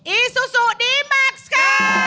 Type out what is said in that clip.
อีซูซูดีแม็กซ์ค่ะ